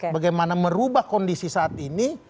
bagaimana merubah kondisi saat ini